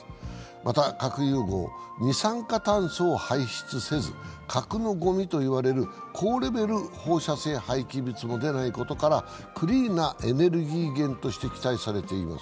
また核融合、二酸化炭素を排出せず核のごみといわれる高レベル放射性廃棄物も出ないことからクリーンなエネルギー源として期待されています。